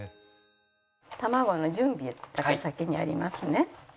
卵の準備だけ先にやりますね。